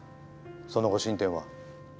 その後進展は？